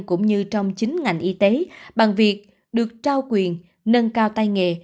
cũng như trong chính ngành y tế bằng việc được trao quyền nâng cao tay nghề